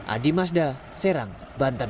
adi mazda serang banten